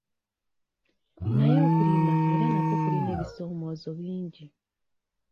Naye okulima era nakwo kulina ebisoomoozo bingi.